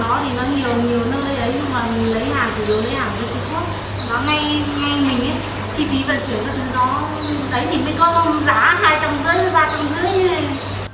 nó ngay ngay mình í